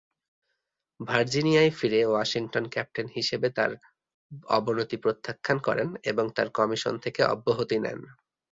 ভার্জিনিয়ায় ফিরে Washington captain হিসেবে তার পদ অবনতি প্রত্যাখ্যান করেন এবং তার কমিশন থেকে অব্যহতি নেন।